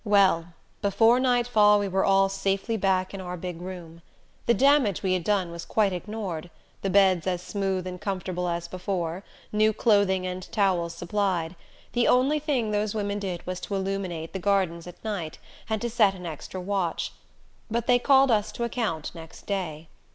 Well before nightfall we were all safely back in our big room. The damage we had done was quite ignored; the beds as smooth and comfortable as before, new clothing and towels supplied. The only thing those women did was to illuminate the gardens at night, and to set an extra watch. But they called us to account next day.